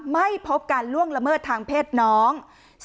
ไม่พบการล่วงละเมิดทางเพศน้อง